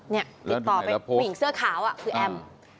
ติดต่อไปผู้หญิงเสื้อขาวคือแอม